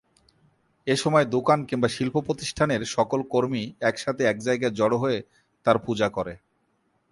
এসময় দোকান কিংবা শিল্প প্রতিষ্ঠানের সকল কর্মী একসাথে এক জায়গায় জড়ো হয়ে তার পূজা করে।